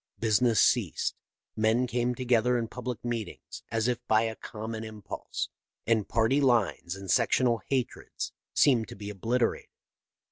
Business ceased. Men came together in public meetings as if by a common impulse, and party lines and sectional hatreds seemed to be obliterated.